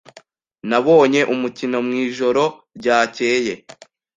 Nabonye umukino mwijoro ryakeye.